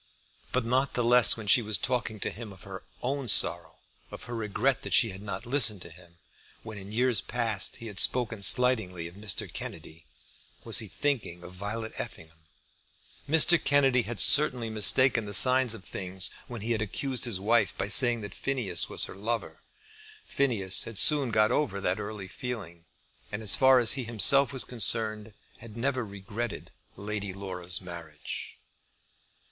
But not the less when she was talking to him of her own sorrow, of her regret that she had not listened to him when in years past he had spoken slightingly of Mr. Kennedy, was he thinking of Violet Effingham. Mr. Kennedy had certainly mistaken the signs of things when he had accused his wife by saying that Phineas was her lover. Phineas had soon got over that early feeling; and as far as he himself was concerned had never regretted Lady Laura's marriage.